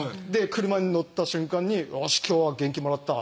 車に乗った瞬間によし今日は元気もらった